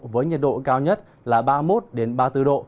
với nhiệt độ cao nhất là ba mươi một ba mươi bốn độ